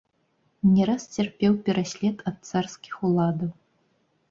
Не раз цярпеў пераслед ад царскіх ўладаў.